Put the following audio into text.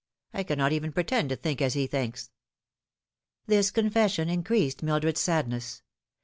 I cannot even pretend to think as he thinks." This confession increased Mildred's padness.